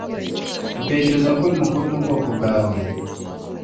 utekereza ko uri mukuru mu bwonko bwawe